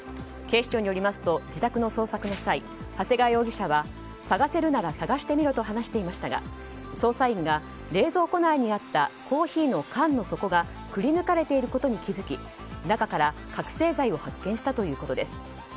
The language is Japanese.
警視庁によりますと自宅の捜索の際探せるなら探してみろと話していましたが捜査員が冷蔵庫内にあったコーヒーの缶の底がくり抜かれていることに気づき中から覚醒剤を発見したということです。